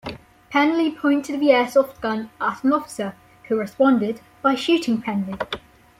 Penley pointed the Airsoft gun at an officer, who responded by shooting Penley.